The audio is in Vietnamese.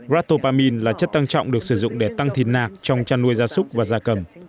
ratopamin là chất tăng trọng được sử dụng để tăng thịt nạc trong chăn nuôi gia súc và da cầm